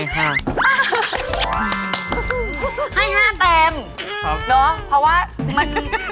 ให้๕เป็นเพราะว่าฉัน